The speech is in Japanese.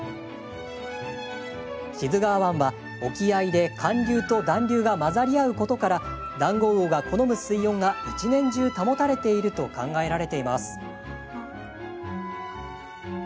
志津川湾は、沖合で寒流と暖流が混ざり合うことからダンゴウオが好む水温が一年中保たれていると考えられています。